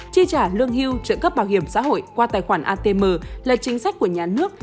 chi trả lương hưu trợ cấp bảo hiểm xã hội qua tài khoản atm là chính sách của nhà nước